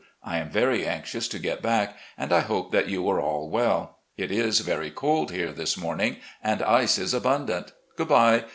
I am very anxious to get back, and I hope that you are all well. It is very cold here this morning, and ice is abundant. Good bye.